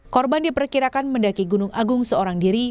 korban diperkirakan mendaki gunung agung seorang diri